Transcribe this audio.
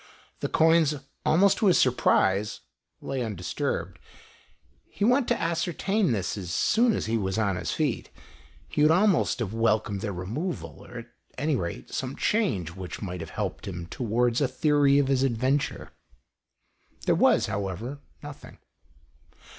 The coins, almost to his surprise, lay undisturbed. He went to ascertain this as soon as he was on his feet. He would almost have welcomed their removal, or at any rate, some change which might have helped him towards a theory of his adventure. There was, however, nothing.